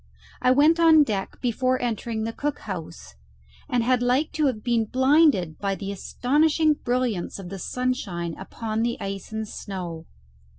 I went on deck before entering the cook house, and had like to have been blinded by the astonishing brilliance of the sunshine upon the ice and snow.